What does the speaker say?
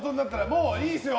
もういいですよ。